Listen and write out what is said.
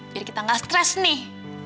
kita nggak stres nih